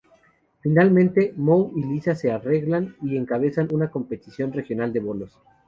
Finalmente, Moe y Lisa se arreglan y encabezan una competición regional de bolos.